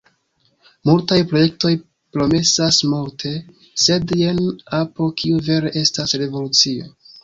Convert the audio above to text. Multaj projektoj promesas multe, sed jen apo kiu vere estas revolucio.